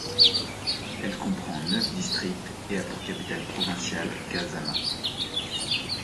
Elle comprend neuf districts, et a pour capitale provinciale Kasama.